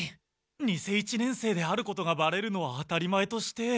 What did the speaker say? ニセ一年生であることがバレるのは当たり前として。